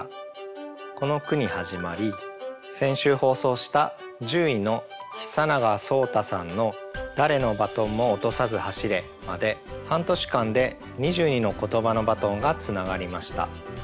この句に始まり先週放送した獣医の久永草太さんの「誰のバトンも落とさず走れ」まで半年間で２２の「ことばのバトン」がつながりました。